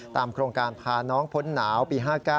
โครงการพาน้องพ้นหนาวปี๕๙